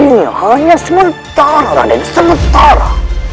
ini hanya sementara ini sementara